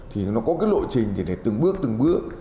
thì nó có cái lộ trình thì để từng bước từng bước